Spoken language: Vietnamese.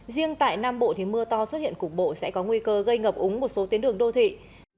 riêng tại nam bộ thì mưa to xuất hiện cục bộ sẽ có nguy cơ gây ngập úng một số tuyến đường đô thị